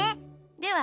では